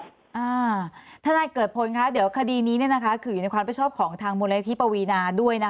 ถ้านายเกิดผลครับเดี๋ยวคดีนี้คืออยู่ในความเป็นชอบของทางมลัยที่ปวีนาด้วย